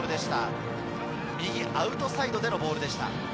右アウトサイドでのボールでした。